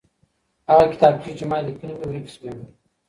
هغه کتابچې چي ما ليکلې وې ورکې سوې.